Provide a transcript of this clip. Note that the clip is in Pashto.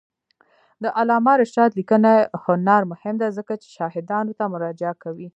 د علامه رشاد لیکنی هنر مهم دی ځکه چې شاهدانو ته مراجعه کوي.